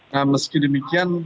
nah meski demikian